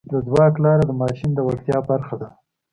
د ځواک لاره د ماشین د وړتیا برخه ده.